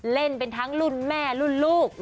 เล่นเป็นทั้งรุ่นแม่รุ่นลูก